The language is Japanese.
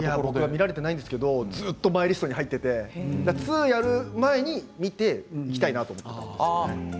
見られていないんですけどずっとマイリストに入っていて２をやる前に見ておきたいなと思って。